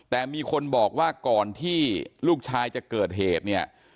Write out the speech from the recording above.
แต่มีคนบอกว่าก่อนที่ลูกชายจะเกิดเหตุเนี่ย